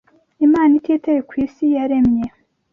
Imana ititaye ku isi yaremye